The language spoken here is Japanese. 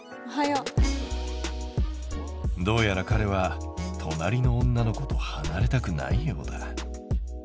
どうやらかれは隣の女の子とはなれたくないようだ。